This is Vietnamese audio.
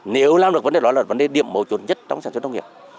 nếu làm được vấn đề đó là vấn đề điểm mổ chuột nhất trong sản xuất nông nghiệp